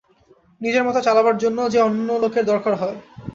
নিজের মত চালাবার জন্যও যে অন্য লোকের দরকার হয়।